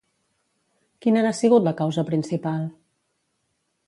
Quina n'ha sigut la causa principal?